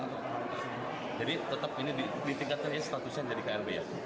jadi tetap ini di tingkatnya statusnya menjadi klb ya